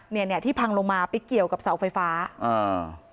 เนี้ยเนี้ยที่พังลงมาไปเกี่ยวกับเสาไฟฟ้าอ่า